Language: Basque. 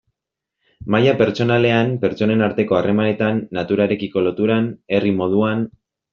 Maila pertsonalean, pertsonen arteko harremanetan, naturarekiko loturan, herri moduan...